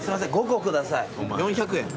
４００円。